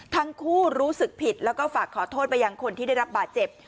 รู้สึกผิดแล้วก็ฝากขอโทษไปยังคนที่ได้รับบาดเจ็บ